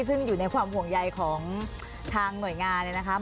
ซึ่งอยู่ในความห่วงใยของทางหน่วยงานนะคะ